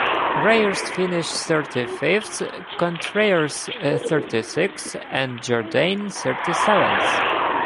Reyes finished thirty-fifth, Contreras thirty-sixth, and Jourdain thirty-seventh.